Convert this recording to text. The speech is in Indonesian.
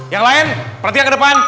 yang lain perhatian ke depan